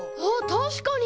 たしかに！